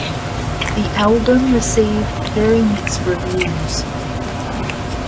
The album received very mixed reviews.